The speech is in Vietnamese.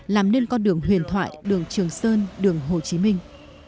làm nên con đường huyền thoại đường trường sơn đường hồ chí minh